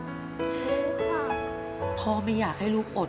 ใช่ค่ะพ่อไม่อยากให้ลูกอด